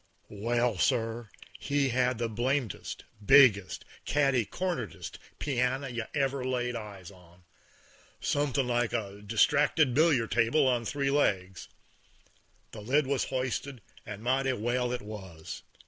Well, sir, he had the blamedest, biggest, catty cornerdest pianner you ever laid eyes on; somethin' like a distracted billiard table on three legs. The lid was hoisted, and mighty well it was.